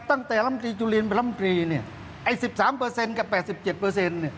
ตั้งแต่ลำตรีจุลีนลำตรีเนี้ยไอ้สิบสามเปอร์เซ็นต์กับแปดสิบเจ็ดเปอร์เซ็นต์เนี้ย